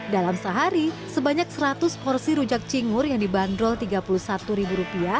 dalam sehari sebanyak seratus porsi rujak cingur yang dibanderol rp tiga puluh satu